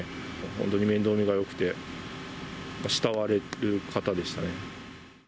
本当に面倒見がよくて、慕われる方でしたね。